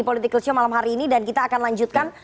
political show malam hari ini dan kita akan lanjutkan